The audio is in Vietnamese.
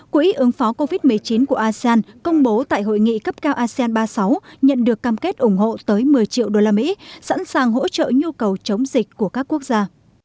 quỹ ứng phó covid một mươi chín của asean công bố tại hội nghị cấp cao asean ba mươi sáu nhận được cam kết ủng hộ tới một mươi triệu usd sẵn sàng hỗ trợ nhu cầu chống dịch của các quốc gia